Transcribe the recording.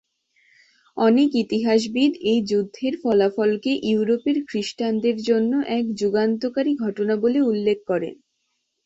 অনেক ইতিহাসবিদ এই যুদ্ধের ফলাফলকে ইউরোপের খ্রিস্টানদের জন্য এক যুগান্তকারী ঘটনা বলে উল্লেখ করেন।